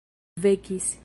vekis